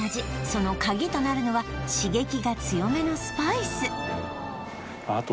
そのカギとなるのは刺激が強めのスパイスあと